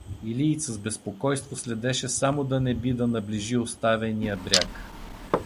Илийца с безпокойство следеше само да не би да наближи оставения бряг.